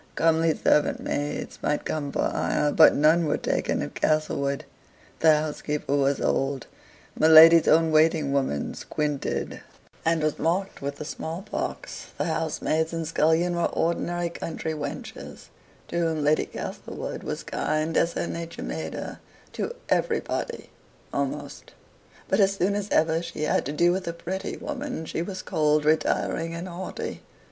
Comely servant maids might come for hire, but none were taken at Castlewood. The housekeeper was old; my lady's own waiting woman squinted, and was marked with the small pox; the housemaids and scullion were ordinary country wenches, to whom Lady Castlewood was kind, as her nature made her to everybody almost; but as soon as ever she had to do with a pretty woman, she was cold, retiring, and haughty.